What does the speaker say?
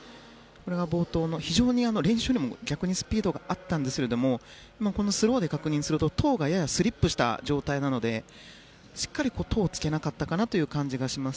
冒頭の、非常に練習でもスピードがあったんですがスローで確認すると、トウがややスリップした状態なのでしっかりトウをつけなかった感じがします。